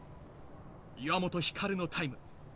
岩本照のタイム。